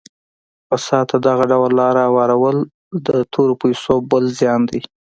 فساد ته دغه ډول لاره هوارول د تورو پیسو بل زیان دی.